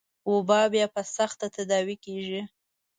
وبا بيا په سخته تداوي کېږي.